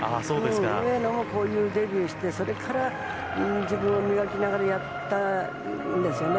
上野もこういうデビューしてそれから自分を磨きながらやったんですよね。